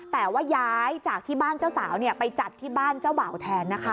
แต่ว่าย้ายจากที่บ้านเจ้าสาวไปจัดที่บ้านเจ้าบ่าวแทนนะคะ